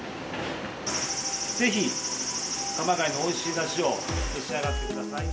ぜひ鎌ケ谷のおいしい梨を召し上がってください。